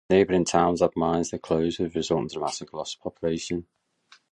Neighboring towns had mines that closed, with a resulting dramatic loss of population.